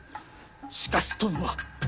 しかし殿は。